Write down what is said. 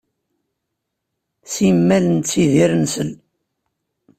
Simmal nettidir nsell.